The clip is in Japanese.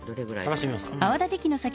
たらしてみますか。